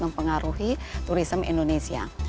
yang pengaruhi turisme indonesia